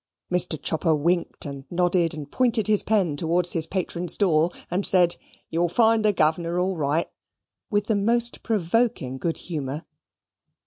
Mr. Chopper winked and nodded and pointed his pen towards his patron's door, and said, "You'll find the governor all right," with the most provoking good humour.